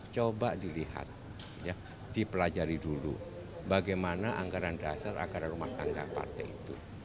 coba dilihat dipelajari dulu bagaimana anggaran dasar anggaran rumah tangga partai itu